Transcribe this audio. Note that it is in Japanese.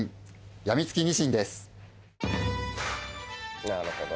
やみつきニシンです。